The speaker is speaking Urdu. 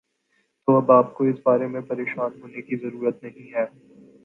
تو اب آ پ کو اس بارے میں پریشان ہونے کی ضرورت نہیں ہے